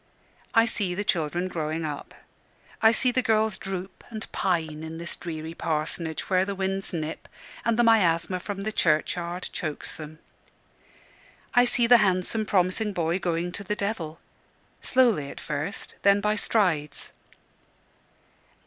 I see the children growing up. I see the girls droop and pine in this dreary parsonage, where the winds nip, and the miasma from the churchyard chokes them. I see the handsome promising boy going to the devil slowly at first, then by strides.